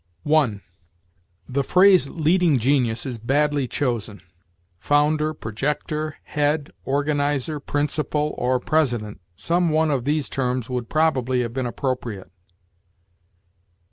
The phrase leading genius is badly chosen. Founder, projector, head, organizer, principal, or president some one of these terms would probably have been appropriate.